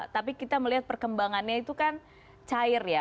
tapi kita melihat perkembangannya itu kan cair ya